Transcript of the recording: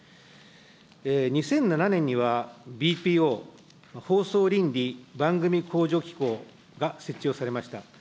２００７年には、ＢＰＯ・放送倫理番組向上機構が設置をされました。